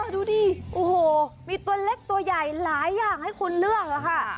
ดูดิโอ้โหมีตัวเล็กตัวใหญ่หลายอย่างให้คุณเลือกค่ะ